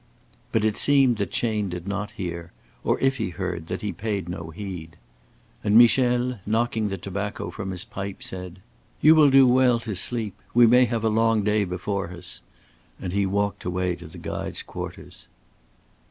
But it seemed that Chayne did not hear, or, if he heard, that he paid no heed. And Michel, knocking the tobacco from his pipe, said: "You will do well to sleep. We may have a long day before us"; and he walked away to the guides' quarters.